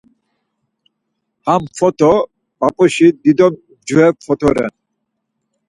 Ham foto p̌ap̌uşi dido mcveşi foto ren.